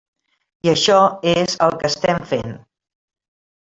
I això és el que estem fent.